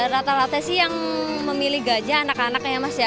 rata rata sih yang memilih gajah anak anak ya mas ya